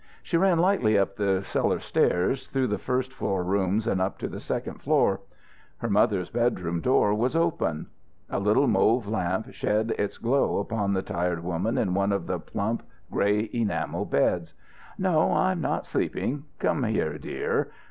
She ran lightly up the cellar stairs, through the first floor rooms and up to the second floor. Her mother's bedroom door was open. A little mauve lamp shed its glow upon the tired woman in one of the plump, grey enamel beds. "No, I'm not sleeping. Come here, dear.